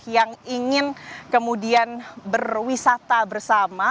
yang ingin kemudian berwisata bersama